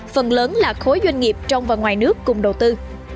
phần lớn là khối doanh nghiệp trong và ngoài nước cùng đầu tư